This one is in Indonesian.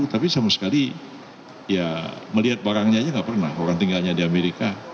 tapi sama sekali ya melihat barangnya aja nggak pernah orang tinggalnya di amerika